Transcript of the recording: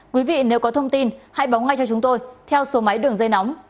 quý vị nếu có thông tin hãy báo ngay cho chúng tôi theo số máy đường dây nóng